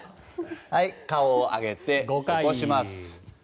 顔を上げて起こします。